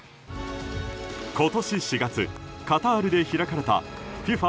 今年４月、カタールで開かれたＦＩＦＡ